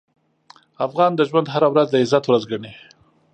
افغان د ژوند هره ورځ د عزت ورځ ګڼي.